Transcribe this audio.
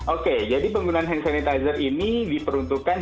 oke jadi penggunaan hand sanitizer ini diperuntukkan